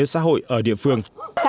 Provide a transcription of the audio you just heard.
xã hội ở địa phương